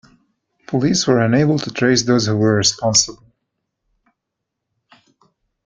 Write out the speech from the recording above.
Police were unable to trace those who were responsible.